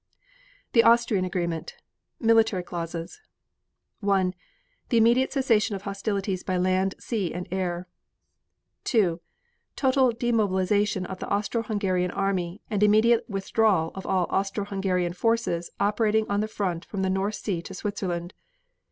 THE AUSTRIAN AGREEMENT Military Clauses 1. The immediate cessation of hostilities by land, sea and air. 2. Total demobilization of the Austro Hungarian army and immediate withdrawal of all Austro Hungarian forces operating on the front from the North Sea to Switzerland.